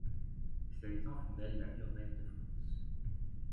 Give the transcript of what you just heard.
Ses habitants, font d'elle la urbaine de France.